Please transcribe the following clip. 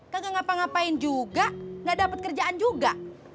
kaga ngapa ngapain juga gak dapet kerjaan juga